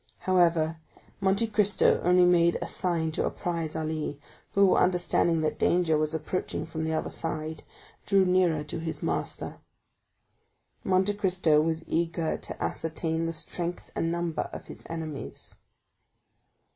However, Monte Cristo only made a sign to apprise Ali, who, understanding that danger was approaching from the other side, drew nearer to his master. Monte Cristo was eager to ascertain the strength and number of his enemies.